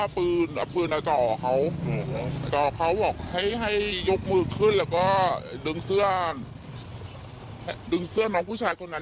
มีดาบฟันเลยค่ะ